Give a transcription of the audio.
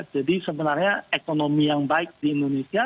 jadi sebenarnya ekonomi yang baik di indonesia